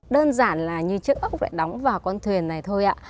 đơn giản là như chiếc ốc lại đóng vào con thuyền này thôi ạ